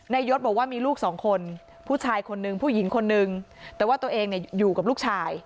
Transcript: นายศบอกว่ามีลูก๒คนผู้ชาย๑และผู้หญิง๑แต่ว่าตัวเองอยู่กับลูกชาย